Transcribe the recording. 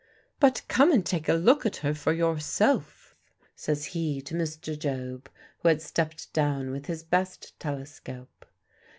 "But come and take a look at her for yourself," says he to Mr. Job, who had stepped down with his best telescope.